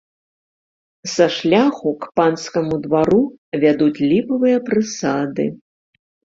Са шляху к панскаму двару вядуць ліпавыя прысады.